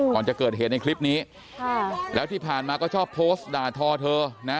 ก่อนจะเกิดเหตุในคลิปนี้ค่ะแล้วที่ผ่านมาก็ชอบโพสต์ด่าทอเธอนะ